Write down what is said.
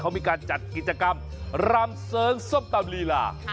เขามีการจัดกิจกรรมรำเสริงส้มตำลีลา